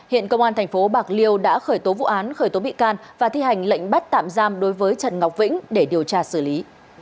hiện công an thành phố bạc liêu đã khởi tố vụ án khởi tố bị can và thi hành lệnh bắt tạm giam đối với trần ngọc vĩnh để điều tra xử lý